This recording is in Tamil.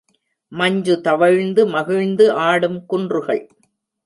மஞ்சு தவழ்ந்து மகிழ்ந்து ஆடும் குன்றுகள்!